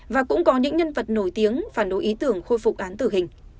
và cũng có những nhân vật nổi tiếng phản đối ý tưởng khôi phục án tử hình